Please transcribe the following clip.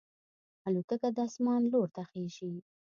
الوتکه د اسمان لور ته خېژي.